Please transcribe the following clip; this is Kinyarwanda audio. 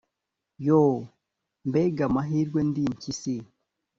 yoo, mbega amahirwe ndi impyisi